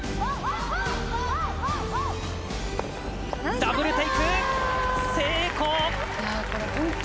ダブル・テイク成功。